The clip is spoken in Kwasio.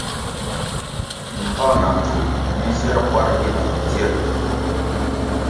Mbvang na mpful mi nzier kwar gina mindzierli.